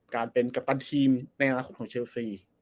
การเป็นกัปตันทีมในอนาคตของเชลซี